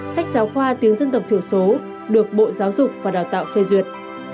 sách giáo khoa tiếng dân tộc thiểu số được bộ giáo dục và đào tạo phê duyệt